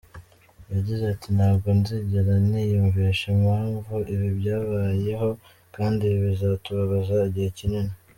Yagize ati “Ntabwo nzigera niyumvisha impamvu ibi byabayeho, kandi ibi bizatubabaza igihe kinini.